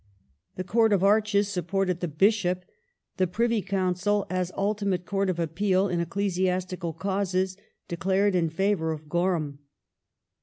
The Court of Arches supported the Bishop ; the Privy Council, as ultimate Court of Appeal in ecclesiastical causes, declared in favour of Gorham.